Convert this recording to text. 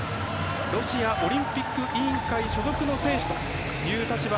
ロシアオリンピック委員会所属の選手という立場